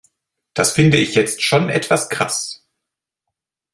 Das finde ich jetzt schon etwas krass.